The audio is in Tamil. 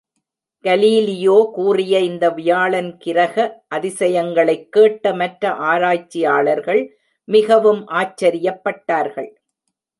கலீலியோ கூறிய இந்த வியாழன் கிரக அதிசயங்களைக் கேட்ட மற்ற ஆராய்ச்சியாளர்கள் மிகவும் ஆச்சரியப் பட்டார்கள்!